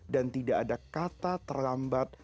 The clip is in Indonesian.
dan tidak ada kata terlambat